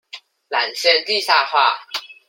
纜線地下化